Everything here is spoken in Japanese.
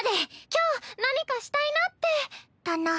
今日何かしたいなって。だな。